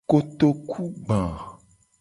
Kotoku gba.